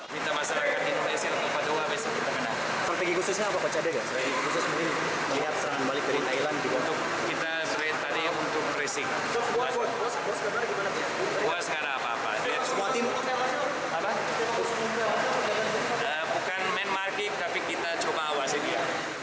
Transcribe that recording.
buat sekarang apa apa bukan main market tapi kita coba awasi dia